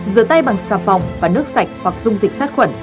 rửa tay bằng xà phòng và nước sạch hoặc dung dịch sát khuẩn